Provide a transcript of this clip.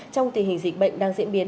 trong tình hình dịch bệnh đang diễn biến